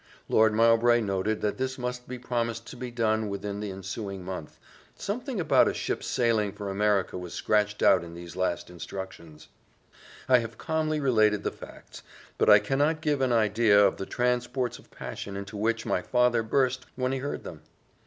Lord Mowbray noted that this must be promised to be done within the ensuing month something about a ship's sailing for America was scratched out in these last instructions. I have calmly related the facts, but I cannot give an idea of the transports of passion into which my father burst when he heard them.